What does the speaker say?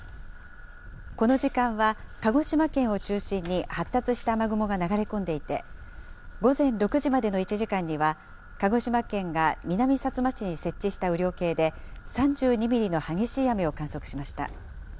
この時間は鹿児島県を中心に発達した雨雲が流れ込んでいて、午前６時までの１時間には、鹿児島県が南さつま市に設置した雨量計で、３２ミリの激しい雨を観測しました。